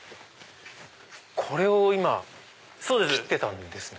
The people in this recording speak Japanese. これを今切ってたんですね。